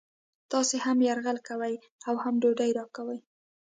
تاسې هم یرغل کوئ او هم ډوډۍ راکوئ